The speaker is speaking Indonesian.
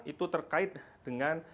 itu terkait dengan